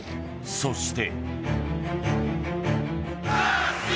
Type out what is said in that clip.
そして。